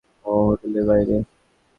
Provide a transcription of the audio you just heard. ওহ্, হোটেলের বাইরে!